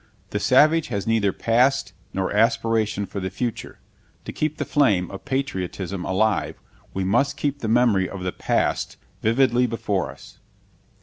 The savage has neither past nor aspiration for the future. To keep the flame of patriotism alive, we must keep the memory of the past vividly before us.